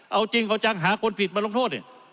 เอาจริงเอาจังหาคนผิดมาลงโทษเนี่ย